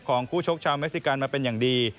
ของคู่ชกชาวเมซิกันมาเป็นอย่างดี